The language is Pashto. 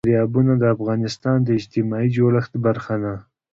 دریابونه د افغانستان د اجتماعي جوړښت برخه ده.